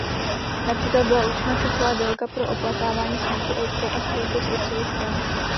Například byla určena časová délka pro oplakávání smrti otce a strýce z otcovy strany.